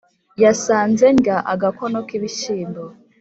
yasanze ndya agakono k’ibishyimbo,